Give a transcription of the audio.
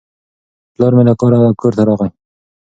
پلار مې له کاره کور ته راغی.